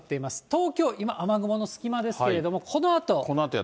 東京、今、雨雲の隙間ですけれども、このあと。